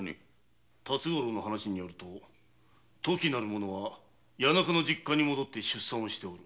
辰五郎によると“とき”は谷中の実家に戻って出産している。